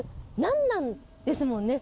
『なんなん？』ですもんね。